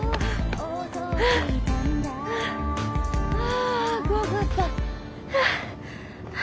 あ怖かった。